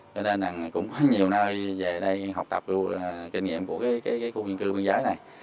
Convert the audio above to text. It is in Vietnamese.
cho nên là cũng có nhiều nơi về đây học tập kinh nghiệm của cái khu dân cư biên giới này